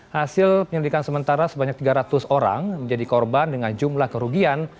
hasil penyelidikan sementara sebanyak tiga ratus orang menjadi korban dengan jumlah kerugian